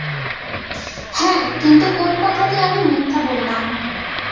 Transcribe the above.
হ্যাঁ, কিন্তু কোন কথাটি আমি মিথ্যা বললাম?